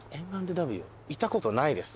行ったことないです。